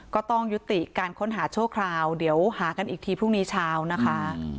ก็ต้องยุติการค้นหาชั่วคราวเดี๋ยวหากันอีกทีพรุ่งนี้เช้านะคะ